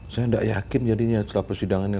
saya tidak yakin jadinya setelah persidangan ini